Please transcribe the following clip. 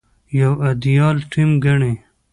يو ايديال ټيم ګڼي.